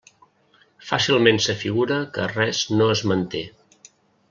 Fàcilment s'afigura que res no es manté.